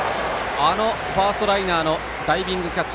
あのファーストライナーのダイビングキャッチ。